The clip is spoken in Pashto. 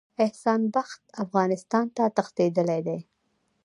احسان بخت افغانستان ته تښتېدلی دی.